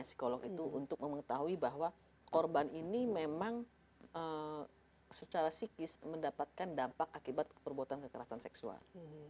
psikolog itu untuk mengetahui bahwa korban ini memang secara psikis mendapatkan dampak akibat perbuatan kekerasan seksual